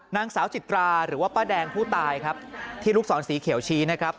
นางสาวจิตราหรือว่าป้าแดงผู้ตายครับที่ลูกศรสีเขียวชี้นะครับ